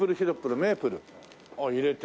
あっ入れて。